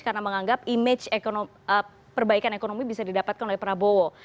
karena menganggap image perbaikan ekonomi bisa didapatkan oleh prabowo